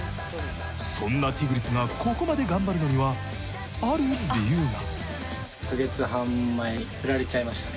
そんなＴｉｇｒｉｓがここまで頑張るのにはある理由が。